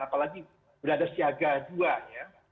apalagi berada siaga juanya